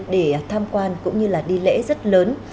để tham quan cũng như là đi lễ rất lớn